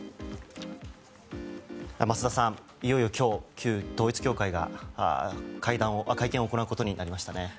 増田さん、いよいよ今日旧統一教会が会見を行うことになりましたね。